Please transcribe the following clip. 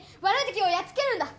てきをやっつけるんだ！